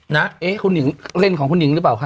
เอ๊ะคุณหิงเล่นของคุณหิงหรือเปล่าคะ